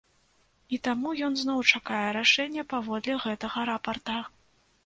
І таму ён зноў чакае рашэння паводле гэтага рапарта.